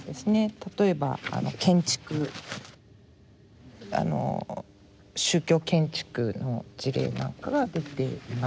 例えば建築宗教建築の事例なんかが出ています。